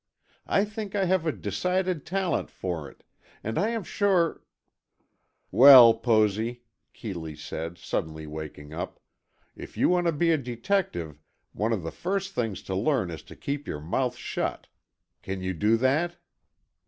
I think I have a decided talent for it, and I am sure——" "Well, Posy," Keeley said, suddenly waking up, "if you want to be a detective one of the first things to learn is to keep your mouth shut. Can you do that?"